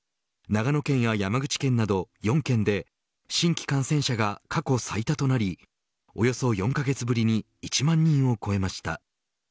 長野県や山口県など４県で新規感染者が過去最多となりおよそ４カ月ぶりに１万人を超えました。